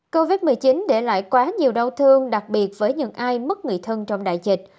covid một mươi chín để lại quá nhiều đau thương đặc biệt với những ai mất người thân trong đại dịch